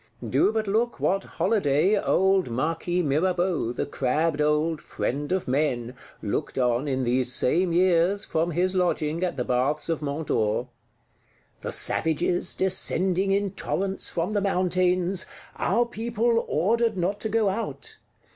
Do but look what holiday old Marquis Mirabeau, the crabbed old friend of Men, looked on, in these same years, from his lodging, at the Baths of Mont d'Or: "The savages descending in torrents from the mountains; our people ordered not to go out.